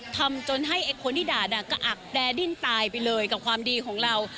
ทำให้ไอ้คนที่ด่าด่าก็อักแดดิ้นตายไปเลยกับความดีของเรา